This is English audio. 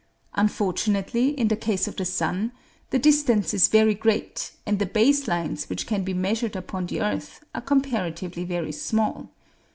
Unfortunately, in the case of the sun, the distance is very great and the base lines which can be measured upon the earth are comparatively very small.